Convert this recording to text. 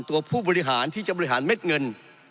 ตัวผู้บริหารที่จะบริหารเม็ดเงิน